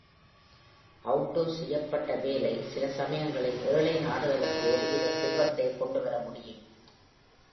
Outsource செய்யப்பட்ட வேலை, சில சமயங்களில், ஏழை நாடுகளுக்கு ஒருவித செல்வத்தை கொண்டு வர முடியும்.